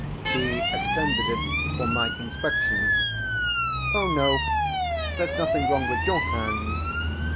He extended it for my inspection. "Oh no; there's nothing wrong with your hand.